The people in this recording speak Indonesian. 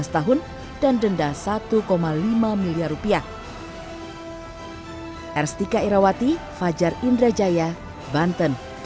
lima belas tahun dan denda satu lima miliar rupiah